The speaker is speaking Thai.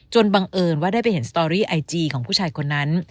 บังเอิญว่าได้ไปเห็นสตอรี่ไอจีของผู้ชายคนนั้น